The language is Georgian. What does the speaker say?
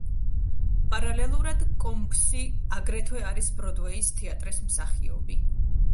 პარალელურად, კომბსი აგრეთვე არის ბროდვეის თეატრის მსახიობი.